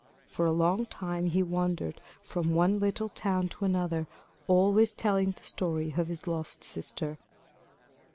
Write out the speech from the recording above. For a long time he wandered from one little town to another, always telling the story of his lost sister.